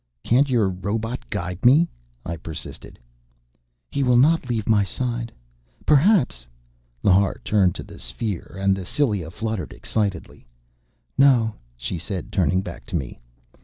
"Can't your robot guide me?" I persisted. "He will not leave my side. Perhaps " Lhar turned to the sphere, and the cilia fluttered excitedly. "No," she said, turning back to me.